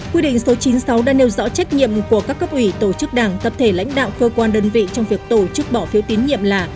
quy định số chín mươi sáu đã nêu rõ trách nhiệm của các cấp ủy tổ chức đảng tập thể lãnh đạo cơ quan đơn vị trong việc tổ chức bỏ phiếu tín nhiệm là